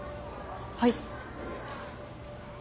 はい。